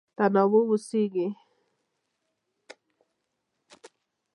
تنوع اوسېږي.